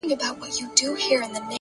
مهرباني د انسان تر ټولو ښکلی میراث دی!.